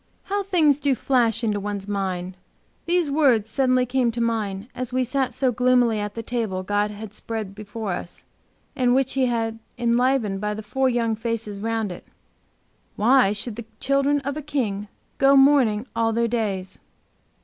How things do flash into one's mind. These words suddenly came to mine, as we sat so gloomily at the table God had spread for us, and which He had enlivened by the four young faces around it "Why should the children of a King Go mourning all their days?"